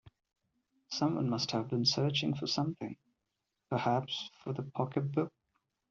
Someone must have been searching for something — perhaps for the pocket-book.